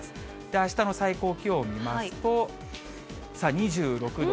あしたの最高気温を見ますと、さあ、２６度。